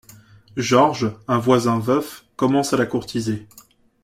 Georges, un voisin veuf, commence à la courtiser.